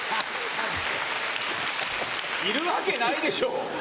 いるわけないでしょう！